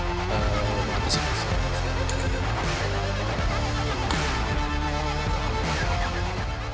kekalahan ginting membuat gregoria